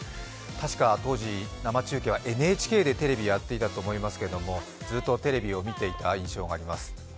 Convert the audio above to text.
たしか当時、生中継はＮＨＫでテレビはやっていたと思いますけども、ずーっとテレビを見ていた印象があります。